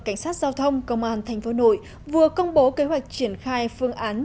cảnh sát giao thông công an thành phố hà nội vừa công bố kế hoạch triển khai phương án